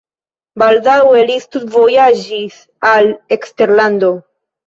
Baldaŭe li studvojaĝis al eksterlando.